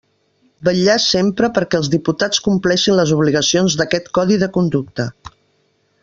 Vetllar sempre perquè els diputats compleixin les obligacions d'aquest Codi de conducta.